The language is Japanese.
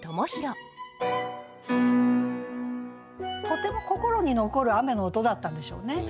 とても心に残る雨の音だったんでしょうね。